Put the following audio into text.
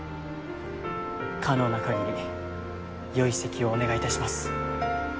可能なかぎりよい席をお願いいたします。